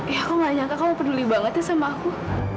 ya kamu gak nyangka kamu peduli banget ya sama aku